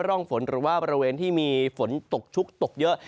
ร่องฝนหรือว่าบริเวณที่มีฝนตกชุกตกเยอะ